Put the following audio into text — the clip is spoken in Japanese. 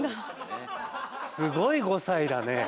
すごい５歳だね。